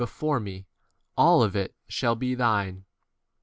before me, all b [of it] shall be 8 thine.